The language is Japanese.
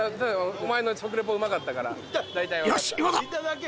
お前の食リポうまかったから。